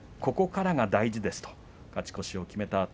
ここからが大事ですと勝ち越しを決めた